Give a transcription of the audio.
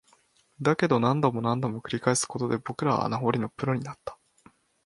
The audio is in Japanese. だけど、何度も何度も繰り返すことで、僕らは穴掘りのプロになった